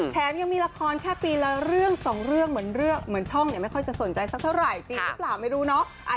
แถมยังมีละครแค่ปีละเรื่องสองเรื่องเหมือนเรื่องเหมือนช่องเนี่ยไม่ค่อยจะสนใจสักเท่าไหร่จริงหรือเปล่าไม่รู้เนาะ